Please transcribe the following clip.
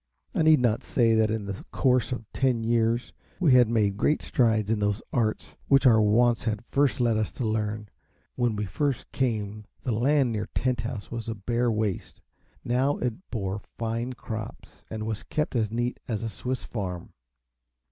I need not say that in the course of ten years we had made great strides in those arts which our wants had first led us to learn. When we first came the land near Tent House was a bare waste; now it bore fine crops, and was kept as neat as a Swiss farm.